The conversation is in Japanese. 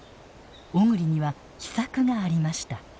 小栗には秘策がありました。